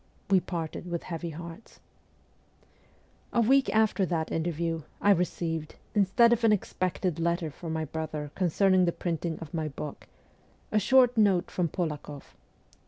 We parted with heavy hearts; A week after that interview, I received, instead of an expected letter from my ' brother concerning the printing of my book, a short note from Polakoff.